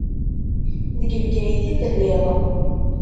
Deg Bgayet i telliḍ.